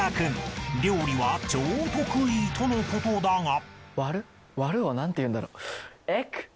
［料理は超得意とのことだが］